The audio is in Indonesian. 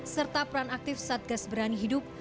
serta peran aktif satgas berani hidup